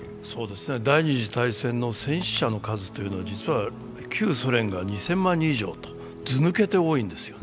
第二次大戦の戦死者の数というのは実は旧ソ連が２０００万人以上とずぬけて多いんですよね。